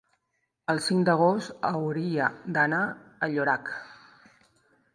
el cinc d'agost hauria d'anar a Llorac.